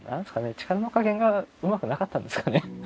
力の加減がうまくなかったんですかね？